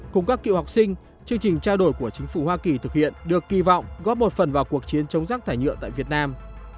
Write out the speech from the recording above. cùng các cựu học sinh chương trình trao đổi của chính phủ hoa kỳ thực hiện được kỳ vọng góp một phần vào cuộc chiến chống rác thải nhựa tại việt nam